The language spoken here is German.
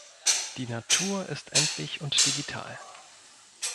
Die Natur ist endlich und digital.